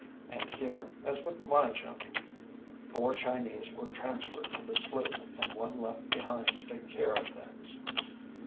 And here, as with my junk, four Chinese were transferred to the sloop and one left behind to take care of things.